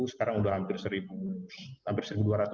sekarang sudah hampir seribu